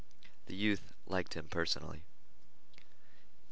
The youth liked him personally.